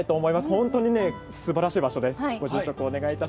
本当に、すばらしい場所です。